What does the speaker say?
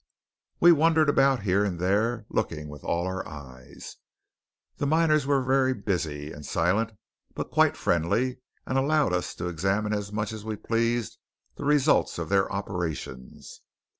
We wandered about here and there, looking with all our eyes. The miners were very busy and silent, but quite friendly, and allowed us to examine as much as we pleased the results of their operations.